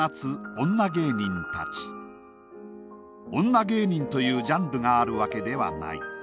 女芸人というジャンルがあるわけではない。